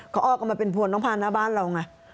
เขาออกกันมาเป็นพวนน้องพานหน้าบ้านเราไง